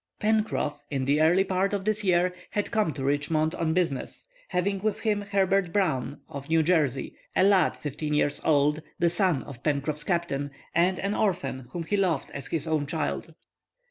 Pencroff, in the early part of this year, had come to Richmond on business, having with him Herbert Brown, of New Jersey, a lad fifteen years old, the son of Pencroff's captain, and an orphan whom he loved as his own child.